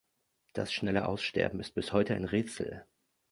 Das schnelle Aussterben ist bis heute rätselhaft.